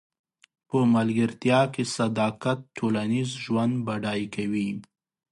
په ملګرتیا کې صداقت ټولنیز ژوند بډای کوي.